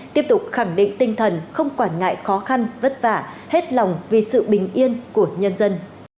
tiếp tục khẳng định tinh thần không quản ngại khó khăn vất vả hết lòng vì sự bình yên của nhân dân